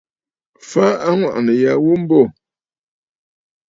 Fa aŋwàʼànə̀ ya ghu mbô.